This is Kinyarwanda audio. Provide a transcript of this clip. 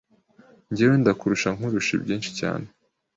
Jyewe ndakurusha nkurusha ibyinshicyane